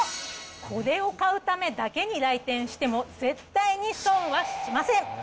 これを買うためだけに来店しても絶対に損はしません。